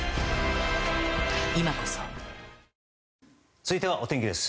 続いてはお天気です。